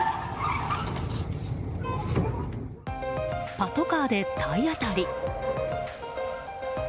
パトカーで体当たり。